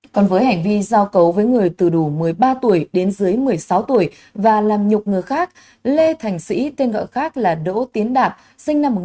còn với hành vi giao cấu với người từ đủ một mươi ba tuổi đến dưới một mươi sáu tuổi và làm nhục người khác lê thành sĩ tên gọi khác là đỗ tiến đạt sinh năm một nghìn chín trăm tám mươi